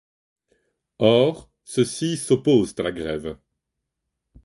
Or, ceux-ci s'opposent à la grève.